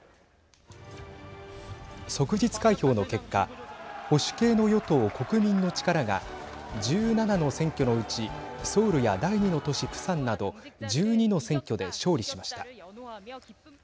即日開票の結果保守系の与党・国民の力が１７の選挙のうちソウルや第２の都市プサンなど１２の選挙で勝利しました。